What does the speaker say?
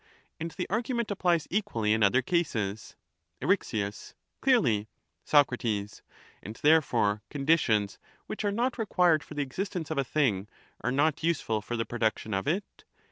And the argu ment applies equally in other cases. Eryx. Clearly. Soc. And therefore conditions which are not required for the existence of a thing are not useful for the production of it?